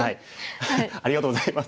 ありがとうございます。